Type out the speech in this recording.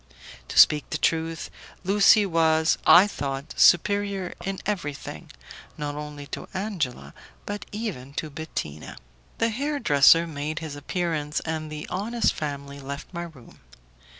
To speak the truth, Lucie was, I thought, superior in everything, not only to Angela, but even to Bettina. The hair dresser made his appearance, and the honest family left my room.